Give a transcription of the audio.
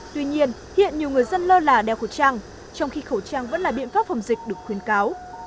tuy nhiên hiện nhiều người dân lơ là đeo khẩu trang trong khi khẩu trang vẫn là biện pháp phòng dịch được khuyến cáo